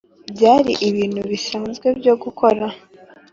byari ibintu bisanzwe byo gukora.